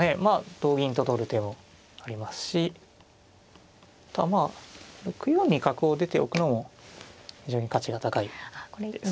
同銀と取る手もありますしあとはまあ６四に角を出ておくのも非常に価値が高いですかね。